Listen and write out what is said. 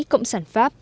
cộng sản pháp